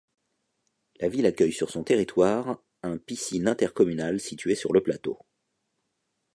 La ville accueille sur son territoire un piscine intercommunale située sur le plateau.